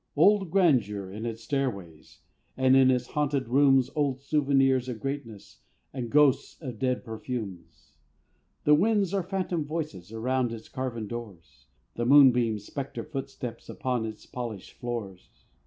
Old grandeur on its stairways; And, in its haunted rooms, Old souvenirs of greatness, And ghosts of dead perfumes. The winds are phantom voices Around its carven doors; The moonbeams, specter footsteps Upon its polished floors.